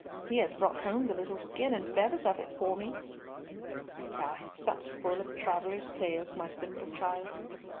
He has brought home the little skin and feathers of it for me." "Thou hast supped full of travellers' tales, my simple child."